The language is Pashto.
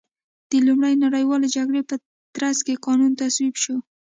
د لومړۍ نړیوالې جګړې په ترڅ کې قانون تصویب شو.